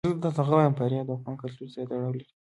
فاریاب د افغان کلتور سره تړاو لري.